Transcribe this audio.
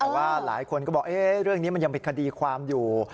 แต่ว่าหลายคนก็บอกเรื่องนี้มันยังเป็นคดีความอยู่